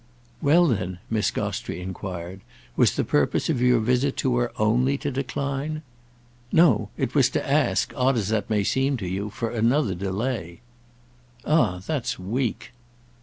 "Well then," Miss Gostrey enquired, "was the purpose of your visit to her only to decline?" "No; it was to ask, odd as that may seem to you, for another delay." "Ah that's weak!"